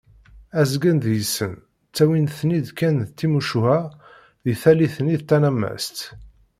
Azgen deg-sen ttawin-ten-id kan d timucuha deg tallit-nni tanammast.